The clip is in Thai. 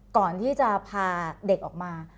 ก่อนที่จะพาเด็กออกมา